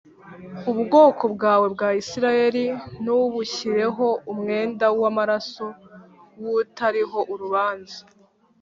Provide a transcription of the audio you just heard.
ubwoko bwawe bwa Isirayeli ntubushyireho umwenda w amaraso y utariho urubanza